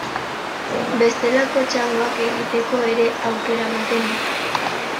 Bestelako txangoak egiteko ere aukera ematen du.